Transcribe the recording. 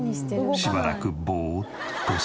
しばらくボーッとし。